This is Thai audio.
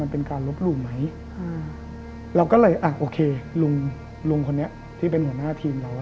มันเป็นการลบหลู่ไหมเราก็เลยอ่ะโอเคลุงลุงคนนี้ที่เป็นหัวหน้าทีมเรา